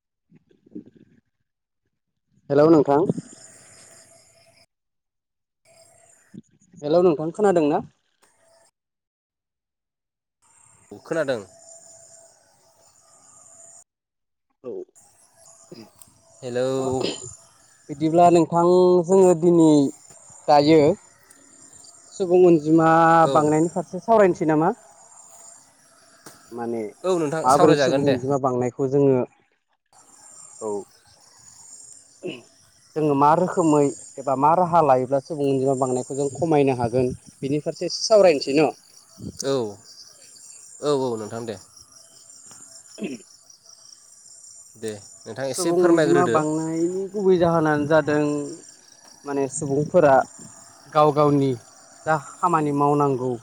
[inaudible] हेल' नोंथां हेल' नोंथां खोनादोंना खोनादों औ हेलौ [unintelligible] बिदिब्ला नोंथां जोङो दिनै दायो सुबुं अनजिमा औ बांनायनि फारसे सावरायनिसै नामा माने औ नोंथां माबोरै सावरायजागोन सुबुं दे अनजिमा बांनायखौ जोङो औ [unintelligible] जोङो मा रोखोमै एबा मा राहा लायोब्ला सुबुं अनजिमा बांनायखौ जों खमायनो हागोन बिनि फारसे एसे सावरायनोसै न' औ-औ-औ नोंथां दे [inaudible] दे नोंथां एसे सुबुं अनजिमा फोरमायग्रोदो बांनायनि गुबै जाहोनानो जादों माने सुबुंफोरा गाव गावनि जा खामानि मावनांगौ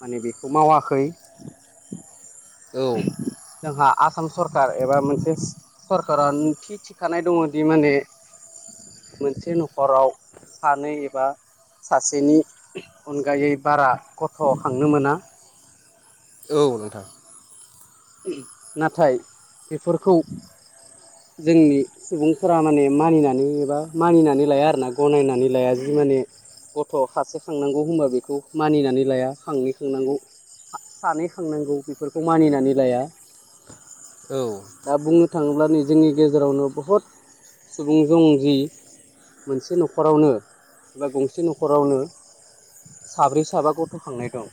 माने बेखौ मावाखै औ [unintelligible] जोंहा आसाम सरखार एबा मोनसेस सरखारान थि थिखानाय दङ' दि माने मोनसे न'खराव सानै एबा सासेनि अनगायै बारा गथ' खांनो मोना औ नोंथां। [unintelligible] नाथाय बेफोरखौ जोंनि सुबुंफोरा माने मानिनानै एबा मानिनानै लाया आरोना गनायनानै लाया जि माने गथ' खासे खांनांगौ होमबा बेखौ मानिनानै लाया खांनै खांनांगौ। आ सानै खांनांगौ बेफोरखौ मानिनानै लाया औ। दा बुंनो थाङोब्ला नै जोंनि गेजेरावनो बहुद सुबुं जं जि मोनसे न'खरावनो एबा गंसे न'खरावनो साब्रै साबा गथ' खांनाय दं।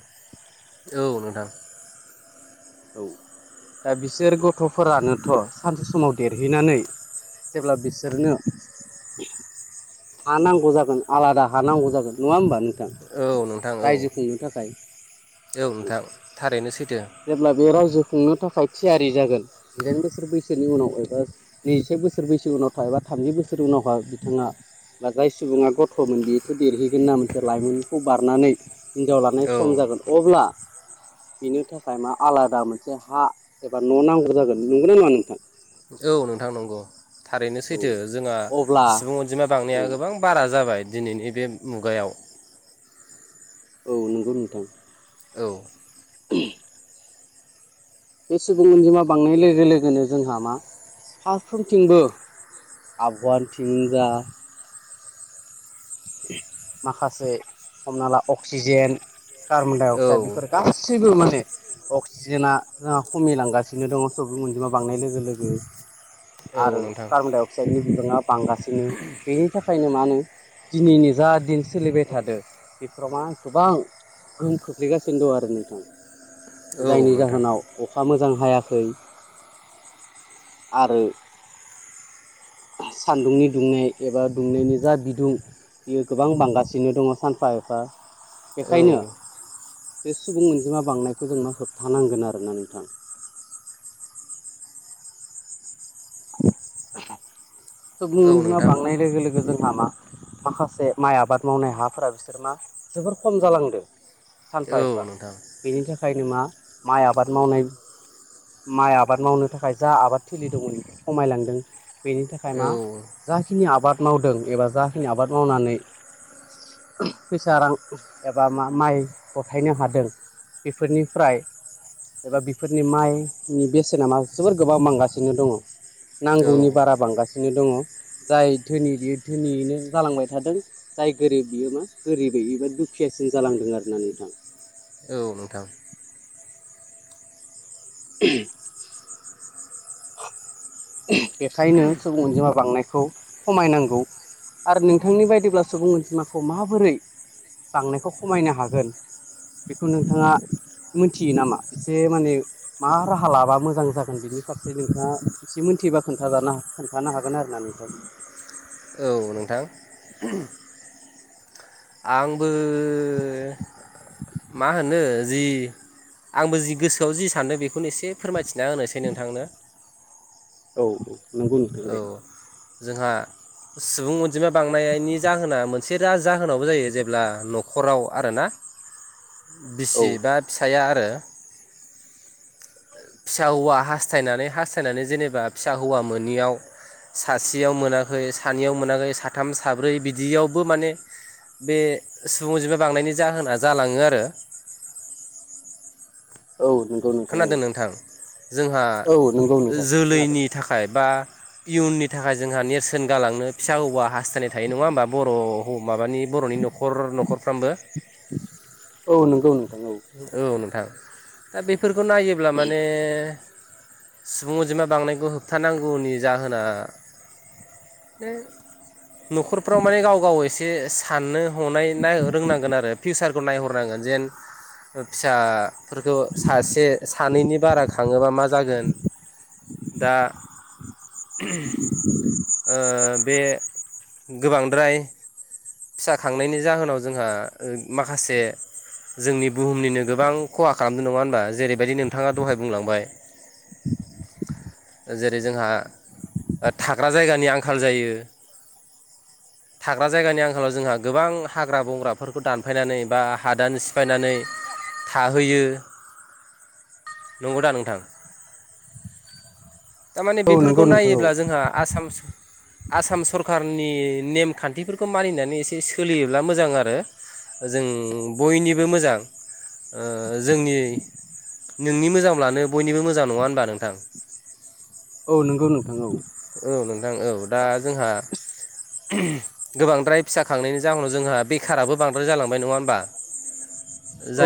औ नोंथां। औ दा बिसोर गथ'फोरानोथ' सानसे समाव देरहैनानै जेब्ला बिसोरनो हा नांगौ जागोन आलादा हा नांगौ जागोन नङा होमबा नोंथां औ नोंथां औ रायजो खुंनो थाखाय औ नोंथां थारैनो सैथो। जेब्ला बेयो रायजो खुंनो थाखाय थियारि जागोन जिदाइन बोसोर बैसोनि उनाव एबा नैजिसे बोसोर बैसो उनाव थायाबा थामजि बोसोर उनावहा बिथाङा बा जाय सुबुङा गथ'मोनदि [unintelligible] थ' देरहैगोन ना मोनसे लाइमोनखौ बारनानै हिनजाव लानाय औ सम जागोन अब्ला इनो थाख थाइमा आलादा मोनसे हा एबा न' नांगौ जागोन नंगौना नङा नोंथां? औ नोंथां नंगौ थारैनो औ सैथो जोंङा अब्ला सुबुं अनजिमा औ बांनाया गोबां बारा जाबाय दिनैनि बे मुगायाव औ नंगौ नोंथां। औ। [unintelligible] बे सुबुं अनजिमा बांनाय लोगो लोगोनो जोंहा मा फारफ्रोमथिंबो आबगवान थिनि जा माखासे हमना ला अक्सिजेन का [unintelligible] -डाइ औ अक्साइड बेफोर गासैबो माने अक्सिजेना जोंहा खमायलांगासिनो दङ' सुबुं अनजिमा बांनाय लोगो लोगो आरो औ नोंथां कार्बन -डाइ अक्साइडनि बिबाङा बांगासिनो बेनि थाखायनो मा नो दिनैनि जा दिन सोलिबाय थादो बेफोराव मा गोबां गोहोम खोख्लैगासिनो दं आरो नोंथां। औ जायनि नोंथां जाहोनाव अखा मोजां हायाखै आरो सान्दुंनि दुंनाय एबा दुंनायनि जा बिदुं बियो गोबां बांगासिनो दङ सानफा एफा औ बेखायनो बे सुबुं अनजिमा बांनायखौ जोंनो होबथानांगोन आरोना नोंथां। [unintelligible] सुबुं औ अजिमा नोंथां बांनाय लोगो लोगो जोंहा मा माखासे माइ आबाद मावनाय हाफोरा बिसोर मा जोबोर खम जालांदो सानफा औ एफा नोंथां बेनि थाखायनो मा माइ आबाद मावनाय माइ आबाद मावनो थाखाय जा आबाद थिलि दंमोन बेबो खमायलांदों। बेनि थाखाय थाखाय औ मा जाखिनि आबाद मावदों एबा जाखिनि आबाद मावनानै फैसा रां एबा मा माइ गथायनो हादों। बेफोरनिफ्राय एबा बेफोरनि माइनि बेसेना मा जोबोर गोबां बांगासिनो दङ। नांगौनि बारा औ बांगासिनो दङ जाय धोनि बेयो धोनियैनो जालांबाय थादों। जाय गोरिब बियो मा गोरिबैनो दुखियासिन जालांदों आरोना नोंथां। औ नोंथां। ओम। बेखायनो सुबुं अनजिमा बांनायखौ खमायनांगौ। आरो नोंथांनि बायदिब्ला सुबुं अनजिमाखौ माबोरै बांनायखौ खमायनो हागोन। बेखौ नोंथाङा मोनथियो नामा इसे माने मा राहा लाबा मोजां जागोन बेनि फारसे नोंथाङा एसे मिनथिबा खोनजानो खोन्थानो हागोन आरोना नोंथां। औ नोंथां। आंबो मा होनो जि आंबो जि गोसोआव जि सानदों बेखौनो एसे फोरमायथिना होनोसै नोंथांनो। औ नंगौ नोंथां औ दे। जोंहा सुबुं अनजिमा बांनायनि जाहोना मोनसे जाहोनावबो जायो जेब्ला न'खराव आरोना। औ बिसि बा फिसाया आरो। फिसा हौवा हास्थायनानै हास्थायनानै जेनेबा फिसा हौवा मोनियाव सासेयाव मोनाखै सानैयाव मोनाखै साथाम साब्रै बिदियावबो माने बे सुबुंजिमा बांनायनि जाहोना जालाङो आरो। औ नंगौ खोनादों नोंथांनि नोंथां जोंहा नोंथां खोनादों जोलैनि थाखाय थाखाय बा इयुननि थाखाय जोंहा नेरसोन गालांनो फिसा हौवा हास्थायनाय थायो नङा होमबा बर' माबानि बर'नि न'खर न'खरफ्रामबो। औ नंगौ नोंथां औ। औ नोंथां दा बेफोरखौ नायोब्ला माने सुबुं अनजिमा बांनायखौ होबथानांगौनि जाहोना न'खरफ्राव माने गाव गाव एसे साननो हनायनाय रोंनांगोन आरो फिउसारखौ नायहरनांगोन जेन फिसाफोरखौ सासे सानैनि बारा खाङोबा मा जागोन दा बे गोबांद्राय फिसा खांनायनि जाहोनाव जोंहा माखासे जोंनि बुहुमनिनो गोबां खहा खालामदों नङा होनबा जेरैबायदि नोंथाङा दहाय बुंलांबाय। जेरै जोंहा थाग्रा जायगानि आंखाल जायो। थाग्रा जायगानि आंखालाव जोंहा गोबां हाग्रा बंग्राफोरखौ दानफायनानै बा हादान सिफायनानै थाहैयो नंगौदा नोंथां। थारमाने औ नंगौ बेफोरखौ नोंथां औ नायोब्ला जोंहा आसाम आसाम सरखारारनि नेमखान्थिफोरखौ मानिनानै एसे सोलियोब्ला मोजां आरो जों बयनिबो मोजां जोंनि नोंनि मोजां लानो बयनिबो मोजां नङा होनबा नोंथां? औ नोंगौ नोंथां औ। औ नोंथां औ दा जोंहा गो बांद्राय फिसा खांनायनि जाहोनाव जोंहा बेखाराबो बांद्राय जालांबाय नङा होमबा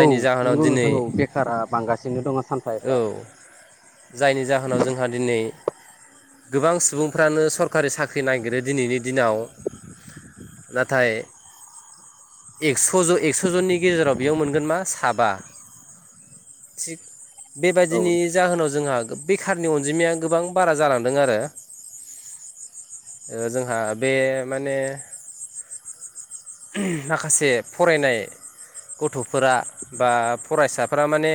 औ जाहोनाव नंगौ दिनै नोंथां औ बेखारा बांगासिनो दङ सानफा औ एफा जायनि जाहोनाव जोंहा दिनै गोबां सुबुंफ्रानो सरखारि साख्रि नागिरो दिनैनि दिनाव नाथाय एक्स सज' एक्स' जननि गेजेराव बेयाव मोनगोन मा साबा थिग औ बेबायदिनि जाहोनाव जोंहा बेखारनि अनजिमाया गोबां बारा जालांदों आरो जोंहा बे माने माखासे फरायनाय गथ'फोरा बा फरायसाफोरा माने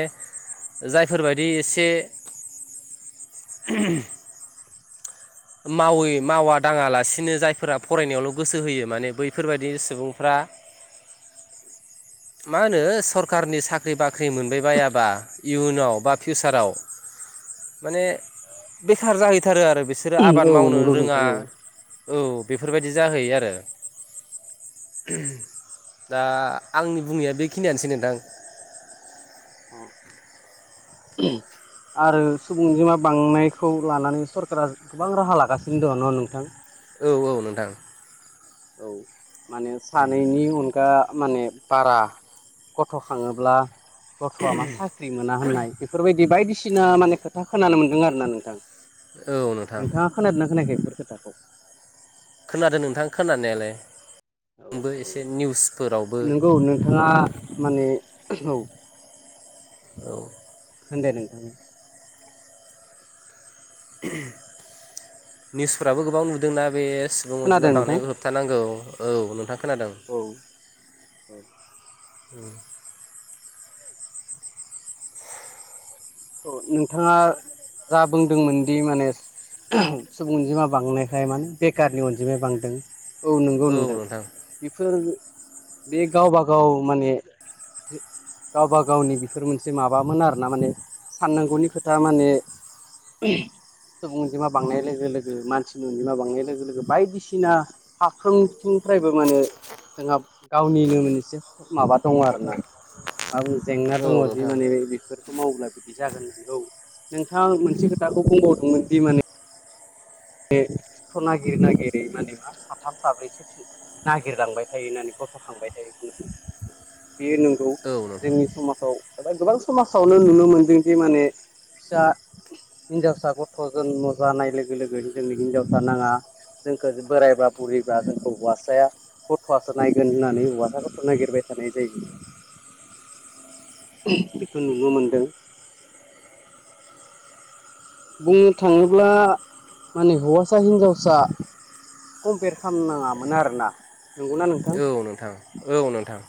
जायफोरबायदि एसे मावै मावा दाङालासिनो जायफोरा फरायनायावल' गोसो होयो माने बैफोरबायाददि सुबुंफ्रा मा होनो सरकारनि साख्रि बाख्रि मोनबाय बाबा इयुनाव बा फिउसाराव माने बेखार जाहै थारो आरो बिसोरो आबाद औ मावनो नंगौ रोङा नोंथां औ औ बेफोरबायदि जाहैयो आरो दा आंनि बुंनाया बेखिनियानोसै नोंथां अ आरो सुबुंजिमा बांनायखौ लानानै सरकारा गोबां राहा लागासिनो दङ न नोंथां औ औ नोंथां औ माने सानैनि अन दा माने बारा गथ खाङोब्ला गथआ मा सा ख्रि मोना होननाय बेफोरबायदि बायदिसिना माने खोथा खोनानो मोनदों आरोना नोंथां। औ नोंथां। खोनादोना खोनायाखै बेफोर खोथाखौ। खोनादों नोंथां खोनानायालाय औ आंबो एसे निउसफोरावबो नंगौ औ नोंथाङा माने औ औ होनदे नोंथां निउसफ्राबो गोबां नुदोंना बे सुबुं खोनादों अनजिमा नोंथां बांनायफोरखौ थानांगौ औ नोंथां खोनादों। औ अ नोंथाङा जा बुंदोंमोन दि माने सुबुं अनजिमा बांनायखाय माने बेखारनि अनजिमाया बांदों औ नोंगौ नोंथां बेफोर बे गावबागाव माने गावबा गावनि बेफोर मोनसे माबामोन आरो ना माने साननांगौनि खोथा माने [unintelligible] सुबुं अनजिमा बांनाय लोगो लोगो मानसिनि अनजिमा बांनाय लोगो लोगो बायदिसिना फारफ्रोमथिंफ्रायबो मानो जोंहा गावनिनो मोनसे माबा दङ आरो ना आरो जेंना औ नोंथां दङ औ दि नोंथां माने बेफोरखौ मावोब्ला जागोन बिखौ नोंथां मोनसे खोथाखौ बुंबावदोंमोन दि माने बे थ नागिर नागिरै माने मा साथाम साब्रैसो नागिरलांबाय थायो होननानै गथ खांबाय थायो होननानै बेयो नोंगौ जोंनि औ समाजाव ओमफाय गोबां समाजावनो नुनो मोन्दोंदि माने फिसा हिनजावसा गथ जरम जानाय लोगो लोगो जोंनि हिनजावसा नाङा जोंखो जो बोरायबा बुरिबा जोंखौ हौवासाया गथ'आसो नायगोन होननानै हौवासाखौथ' नायागिरबाय थानाय जायो। बेखौ नुनो मोनदों। बुंनो थाङोब्ला माने हौवासा हिनजावसा कम्पेयार खालामनाङामोन आरोना नंगौना नोंथां औ नोंथां औ नोंथां।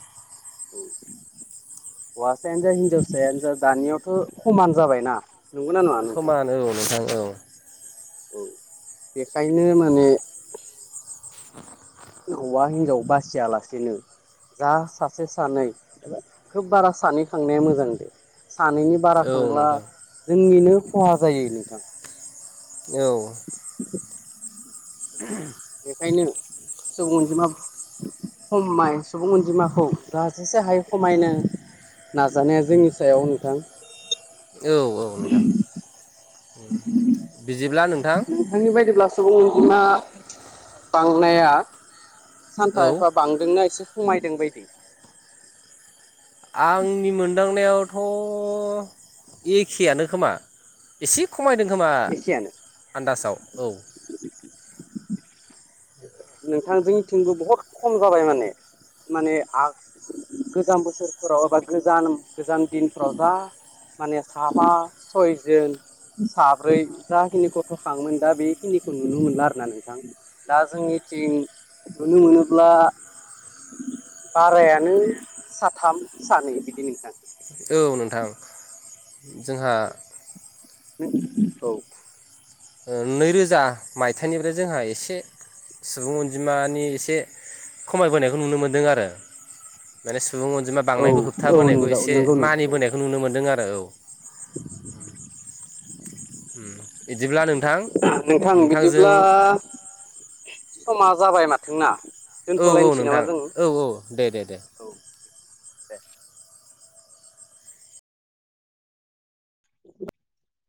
औ हौवासायानो जा हिनजावसायानो जा दानियावथ खमान जाबायना नंगौना नङा नोंथां समान औ नोंथां औ औ बेखायनो माने हौवा हिनजाव बासियालासेनो जा सासे सानै एबा खोब बारा सानै खांनाया मोजां दे सानैनि बारा औ खांब्ला नोंथां जोंनिनो खहा जायो नोंथां। औ [inaudible] बेखायनो सुबुं अनजिमा खमाय सुबुं अनजिमाखौ जा जेसो हायो खमायनो नाजानाया जोंनि सायाव नोंथां औ औ नोंथां [inaudible] बिदिब्ला नोंथां नोंनि बायदिब्ला सुबुं अनजिमा बांनाया सानफा औ एफा बांदोंना एसे खमायदों बायदि आंनि मोनदांनायावथ एखेयानो खोमा एसे खमायदों खोमा एखेयानो आन्दासाव औ। नोंथां जोंनि थिंबो बहुथखम जाबाय माने। माने आग गोजाम बोसोरफोराव एबा गोजान गोजान दिनफोराव जा। माने साबा सयजोन साब्रै जाखिनि गथ' खाङोमोन दा बेखिनिखौ नुनो मोनला आरो ना नोंथां। दा जोंनिथिं नुनो मोनोब्ला बारायानो साथाम सानै बिदि नोंथां। औ नोंथां जोंहा औ नैरोजा मायथाइनिफ्राय जोंहा एसे सुबुं अनजिमानि एसे- खमायबोनायखौ नुनो मोनदों आरो माने सुबुं अनजिमा औ बांनायखौ औ होबथाबोनायखौ नंगौ एसे नंगौ नोंथां औ। मानिबोनायखौ नुनो मोन्दों आरो औ। बिदिब्ला नोंथां नोंथां नोंथांजों बिदिब्ला समा जाबाय माथो ना। औ औ नोंथां औ औ, दे दे दे।